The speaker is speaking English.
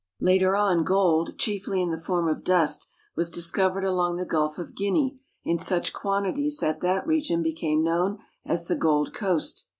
Later on, gold, chiefly in the form of dust, was discovered along the Gulf of Guinea in such quantities that that region became known as the Gold Coast.